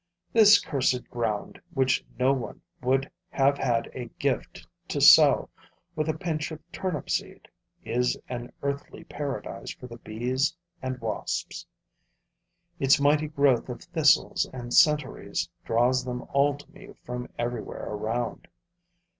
This cursed ground, which no one would have had at a gift to sow with a pinch of turnip seed, is an earthly paradise for the bees and wasps. Its mighty growth of thistles and centauries draws them all to me from everywhere around.